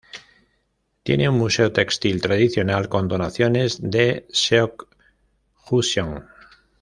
Tiene un museo textil tradicional con donaciones de Seok Ju-seon.